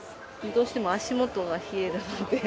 どうしても足元が冷えるので。